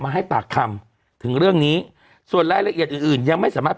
ให้ปากคำถึงเรื่องนี้ส่วนรายละเอียดอื่นอื่นยังไม่สามารถ